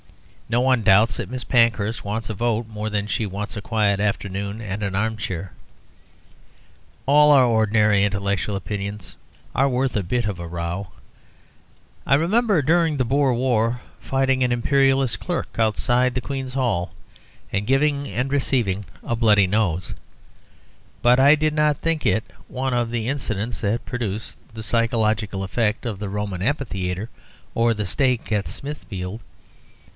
No one doubts that Miss Pankhurst wants a vote more than she wants a quiet afternoon and an armchair. All our ordinary intellectual opinions are worth a bit of a row: I remember during the Boer War fighting an Imperialist clerk outside the Queen's Hall, and giving and receiving a bloody nose; but I did not think it one of the incidents that produce the psychological effect of the Roman amphitheatre or the stake at Smithfield.